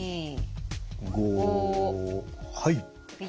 はい。